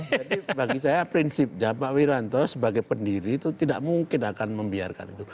jadi bagi saya prinsipnya pak wiranto sebagai pendiri itu tidak mungkin akan membiarkan itu